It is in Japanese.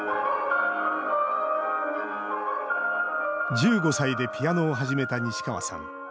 １５歳でピアノを始めた西川さん。